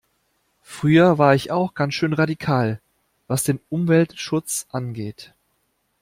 Früher war ich auch ganz schön radikal, was den Umweltschutz angeht.